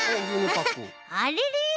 あれれ？